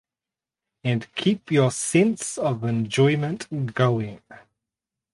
And keep your sense of enjoyment going.